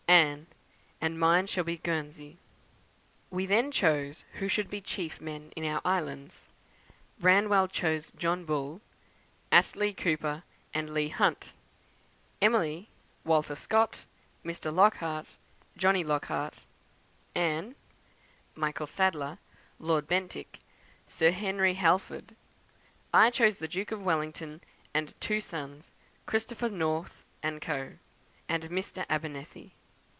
"Anne. 'And mine shall be Guernsey.' "We then chose who should be chief men in our islands. Branwell chose John Bull, Astley Cooper, and Leigh Hunt; Emily, Walter Scott, Mr. Lockhart, Johnny Lockhart; Anne, Michael Sadler, Lord Bentinck, Sir Henry Halford. I chose the Duke of Wellington and two sons, Christopher North and Co., and Mr. Abernethy.